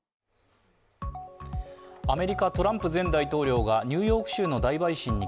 アメリカ、トランプ前大統領がニューヨーク州の大陪審に